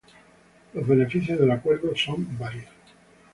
Los beneficios del acuerdo son varios.